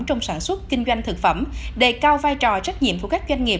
trong sản xuất kinh doanh thực phẩm đề cao vai trò trách nhiệm của các doanh nghiệp